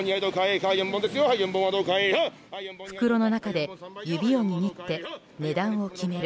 袋の中で指を握って値段を決める